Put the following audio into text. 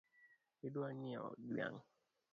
Idwa ngiewo dhiang’?